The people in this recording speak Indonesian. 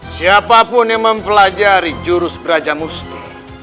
siapapun yang mempelajari jurus belajar musti